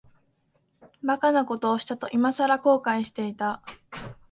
馬鹿なことをしたと、いまさら後悔していた。